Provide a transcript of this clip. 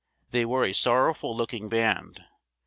They were a sorrowful looking band.